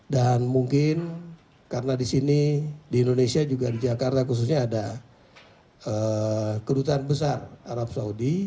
dan mungkin karena di sini di indonesia juga di jakarta khususnya ada kerutan besar arab saudi